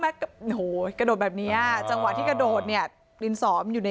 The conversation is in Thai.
โหกระโดดแบบเนี้ยจังหวะที่กระโดดเนี่ยดินสอมันอยู่ใน